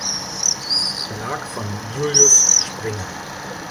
Verlag von Julius Springer.